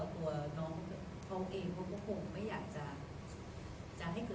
ขอโทษขอโทษขอโทษมาเยอะมาก